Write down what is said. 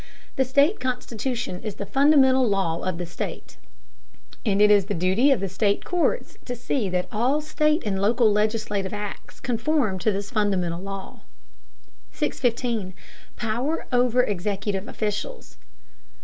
The state constitution is the fundamental law of the state, and it is the duty of the state courts to see that all state and local legislative acts conform to this fundamental law. 615. POWER OVER EXECUTIVE OFFICIALS.